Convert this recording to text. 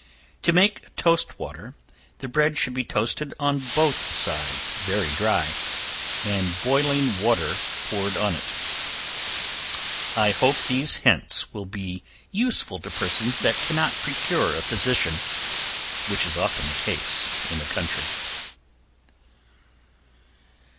To make toast water, the bread should be toasted on both sides very dry, and boiling water poured on it. I hope these hints will be useful to persons that cannot procure a physician, which is often the case in the country.